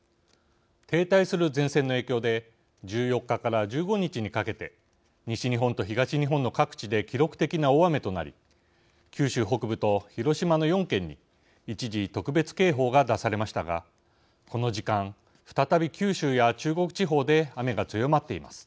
停滞する前線の影響で１４日から１５日にかけて西日本と東日本の各地で記録的な大雨となり九州北部と広島の４県に一時特別警報が出されましたがこの時間再び九州や中国地方で雨が強まっています。